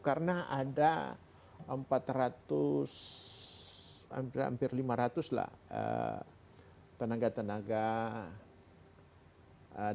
karena ada empat ratus hampir lima ratus lah tenaga tenaga dokter yang ambil tenaga